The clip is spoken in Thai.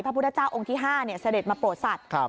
พระพุทธเจ้าองค์ที่๕เสด็จมาโปรดสัตว์